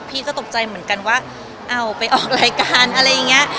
พี่ก็ตกใจเหมือนกันว่าเอาไปออกรายการอะไรอย่างนี้